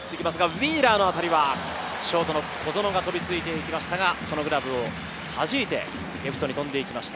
ウィーラーの当たりはショートの小園が飛びついてきましたが、そのグラブをはじいてレフトに飛んで行きました。